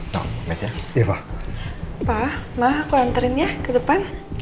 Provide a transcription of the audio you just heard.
pak maaf aku anterin ya ke depan